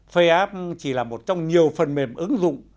faceapp chỉ là một trong nhiều phần mềm ứng dụng